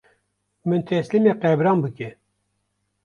Min teslîmê qebran bike